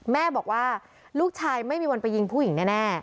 แม่บอกว่าลูกชายไม่มีวันไปยิงผู้หญิงแน่